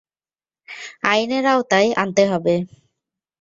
আইনের আওতায় আনতে হবে।